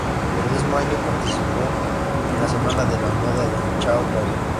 El mismo año participó en la semana de la moda de São Paulo.